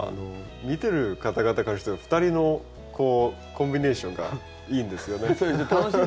見てる方々からしたら２人のこうコンビネーションがいいんですよね。